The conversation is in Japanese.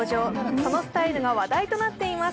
そのスタイルが話題となっています。